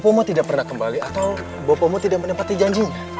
bopo mau tidak pernah kembali atau bopo mau tidak menempati janjinya